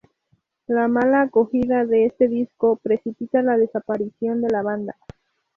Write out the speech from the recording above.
La mala acogida de este disco, precipita la desaparición de la banda.